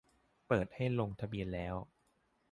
เปิดให้ลงทะเบียนแล้ว